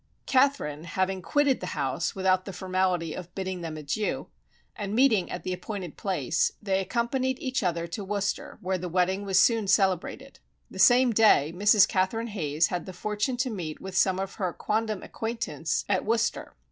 Catherine having quitted the house without the formality of bidding them adieu, and meeting at the appointed place, they accompanied each other to Worcester, where the wedding was soon celebrated. The same day Mrs. Catherine Hayes had the fortune to meet with some of her quondam acquaintance at Worcester.